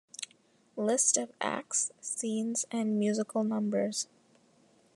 List of acts, scenes and musical numbers.